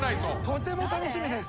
とても楽しみです。